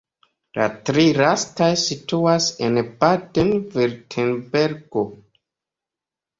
La tri lastaj situas en Baden-Virtembergo.